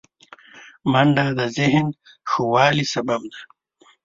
منډه د ذهن ښه والي سبب ده